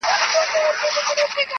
موږ ته ورکي لاري را آسانه کړي-